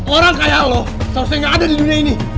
orang kayak lo seharusnya gak ada di dunia ini